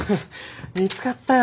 見つかったよ。